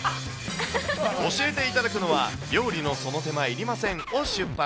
教えていただくのは、料理のその手間、いりませんを出版。